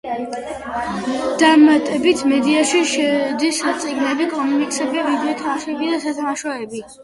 დამატებით მედიაში შედის წიგნები, კომიქსები, ვიდეო თამაშები და სათამაშოები.